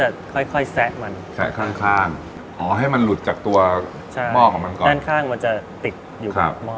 ด้านข้างมันจะติดอยู่กับม่อนะครับ